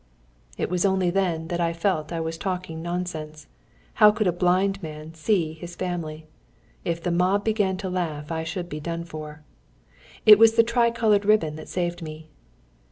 It was only then that I felt I was talking nonsense. How could a "blind man" see his family? If the mob began to laugh I should be done for! It was the tricoloured ribbon that saved me.